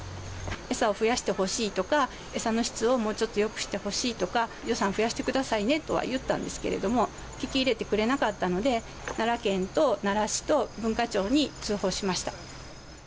餌を増やしてほしいとか、餌の質をもうちょっとよくしてほしいとか、予算増やしてくださいねとは言ったんですけれども、聞き入れてくれなかったので、奈良県と奈良市と文化庁に通報しました。